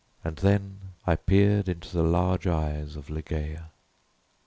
And then I peered into the large eyes of Ligeia.